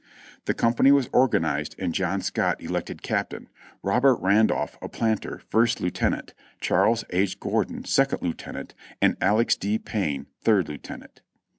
The company was organized, and John Scott elected captain, Robert Randolph, a planter, first lieutenant; Charles H, Gor don, second lieutenant ; and Alex. D. Payne, third lieutenant.